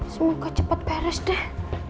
semoga cepat beres deh